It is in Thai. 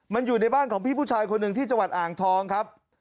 มันอยู่ในบ้านของพี่ผู้ชายคนหนึ่งที่จังหวัดอ่างทองครับ